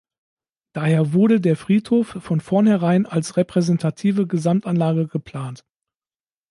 Daher wurde der Friedhof von vornherein als repräsentative Gesamtanlage geplant.